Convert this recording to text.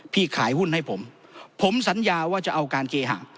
ขายหุ้นให้ผมผมสัญญาว่าจะเอาการเคหะ